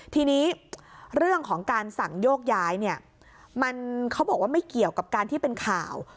ทีนี้เรื่องของการสั่งโยกย้ายเนี่ยมันเขาบอกว่าไม่เกี่ยวกับการที่เป็นข่าว